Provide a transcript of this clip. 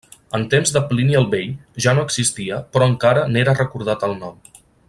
En temps de Plini el vell ja no existia però encara n'era recordat el nom.